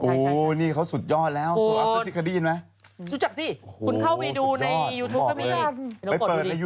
โอ้นี่เขาสุดยอดแล้วโซลอัพเตอร์๖เขาได้ยินไหม